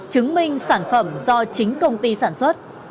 chứng minh sản phẩm do chính công ty sản xuất